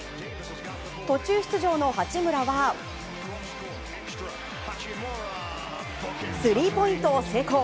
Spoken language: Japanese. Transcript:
途中出場の八村はスリーポイントを成功。